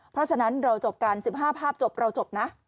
เพราะฉะนั้นเราจบกัน๑๕ภาพจบเราจบนะ